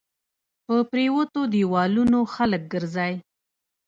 په پريوتو ديوالونو خلک ګرځى